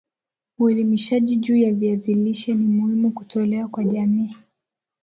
Uelimishaji juu ya viazi lishe ni muhimu kutolewa kwa jamii